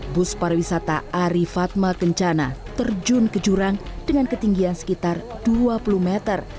bus pariwisata arifatma kencana terjun ke jurang dengan ketinggian sekitar dua puluh meter